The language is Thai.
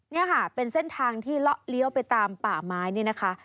นี่ค่ะเป็นเส้นทางที่เลาะเลี้ยวไปตามป่าไม้นี่นะคะ